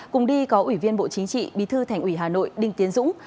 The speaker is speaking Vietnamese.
cùng đi có ủy viên bộ chính trị bí thư thành ủy hà nội đinh tiến dũng